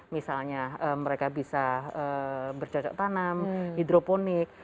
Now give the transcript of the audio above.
misalnya mereka bisa bercocok tanam hidroponik